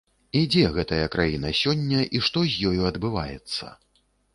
І дзе гэтая краіна сёння і што з ёю адбываецца?